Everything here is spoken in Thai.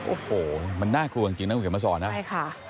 โอ้โหมันน่ากลัวจริงน้องเวียจะมาสอนนะครับ